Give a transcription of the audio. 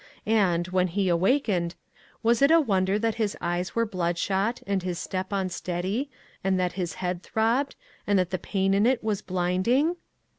And, when he awakened was it a wonder that his eyes were blood shot and his step unsteady, and that his head throbbed, and that the pain in it was blinding?